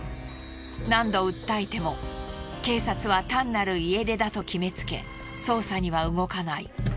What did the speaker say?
何度訴えても警察は単なる家出だと決めつけ捜査には動かない。